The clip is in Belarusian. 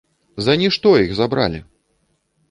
За нішто іх забралі!